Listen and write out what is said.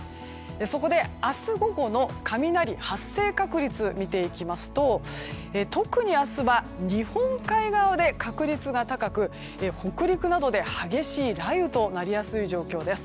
そこで明日午後の雷発生確率を見ていきますと特に明日は日本海側で確率が高く北陸などで激しい雷雨となりやすい状況です。